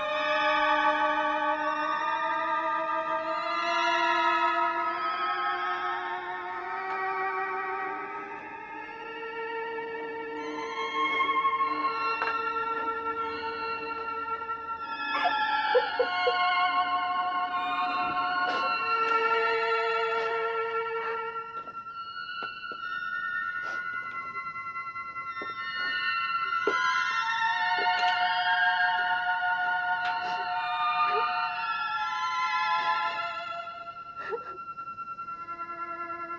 kita akan cari bantuan